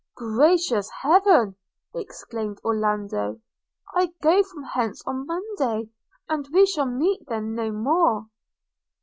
'Gracious Heaven!' exclaimed Orlando, 'I go from hence on Monday, and we shall meet then no more.'